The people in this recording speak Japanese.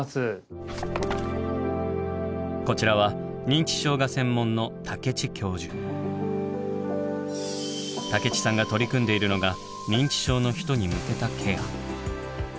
こちらは認知症が専門の武地さんが取り組んでいるのが認知症の人に向けたケア。